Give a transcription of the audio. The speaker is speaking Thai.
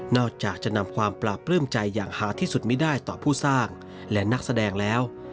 จากจะนำความปราบปลื้มใจอย่างหาที่สุดไม่ได้ต่อผู้สร้างและนักแสดงแล้ว